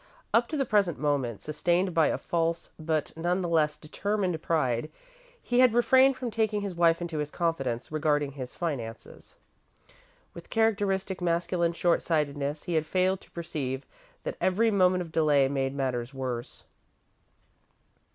Up to the present moment, sustained by a false, but none the less determined pride, he had refrained from taking his wife into his confidence regarding his finances. With characteristic masculine short sightedness, he had failed to perceive that every moment of delay made matters worse.